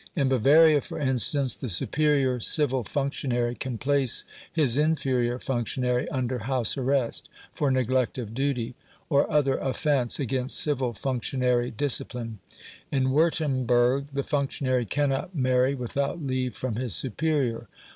In Bavaria, for instance, the superior civil functionary can place his inferior functionary under house arrest, for neglect of duty, or other offence against civil functionary discipline. In Wurtemberg, the functionary cannot marry without leave from his superior.